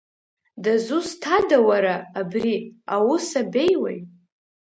Дызусҭада уара, абри, аус абеиуеи?